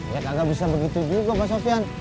ya kagak bisa begitu juga pak sofyan